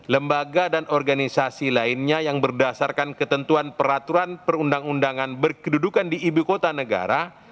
lembaga dan organisasi lainnya yang berdasarkan ketentuan peraturan perundang undangan berkedudukan di ibu kota negara